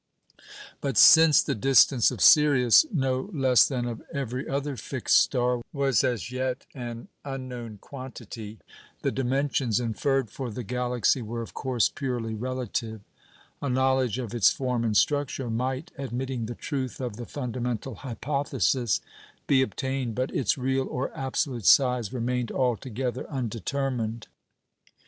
But since the distance of Sirius, no less than of every other fixed star, was as yet an unknown quantity, the dimensions inferred for the Galaxy were of course purely relative; a knowledge of its form and structure might (admitting the truth of the fundamental hypothesis) be obtained, but its real or absolute size remained altogether undetermined.